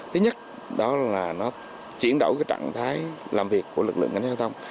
thứ nhất đó là nó chuyển đổi trạng thái làm việc của lực lượng cảnh sát giao thông